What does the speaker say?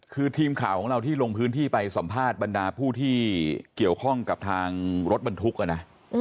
คือทีมข่าวของเราที่ลงพื้นที่ไปสัมภาษณ์บรรดาผู้ที่เกี่ยวข้องกับทางรถบรรทุกนะ